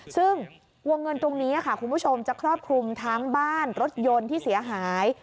ซึ่งวงเงินตรงนี้ค่ะคุณผู้ชมจะครอบคลุมทั้งบ้านรถยนต์ที่เสียหาย